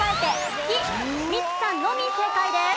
ミッツさんのみ正解です。